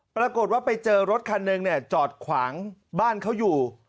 ปรากฏว่าไปเจอรถคันหนึ่งจอดขวางบ้านเขาอยู่